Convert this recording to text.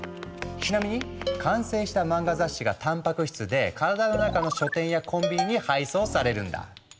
ちなみに完成した漫画雑誌がたんぱく質で体の中の書店やコンビニに配送されるんだ。